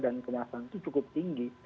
dan kemasan itu cukup tinggi